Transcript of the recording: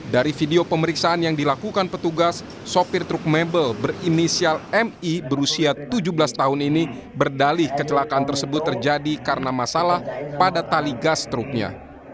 dari video pemeriksaan yang dilakukan petugas sopir truk mebel berinisial mi berusia tujuh belas tahun ini berdali kecelakaan tersebut terjadi karena masalah pada tali gas truknya